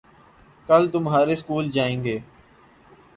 کل تمہارے سکول جائیں گے